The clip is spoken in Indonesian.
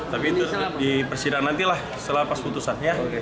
tapi itu di persidangan nantilah setelah pas putusannya